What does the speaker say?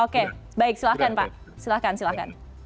oke baik silahkan pak silahkan silahkan